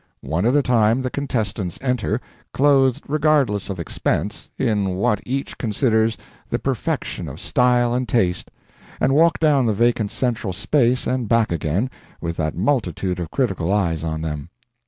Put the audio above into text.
One at a time the contestants enter, clothed regardless of expense in what each considers the perfection of style and taste, and walk down the vacant central space and back again with that multitude of critical eyes on them.